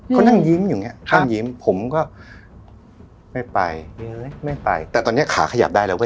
เขานั่งยิ้มอย่างเงี้นั่งยิ้มผมก็ไม่ไปไม่ไปแต่ตอนนี้ขาขยับได้แล้วก็